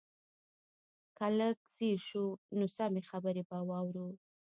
که لږ ځير شو نو سمې خبرې به واورو.